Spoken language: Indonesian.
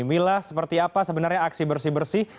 mila seperti apa sebenarnya aksi bersih bersih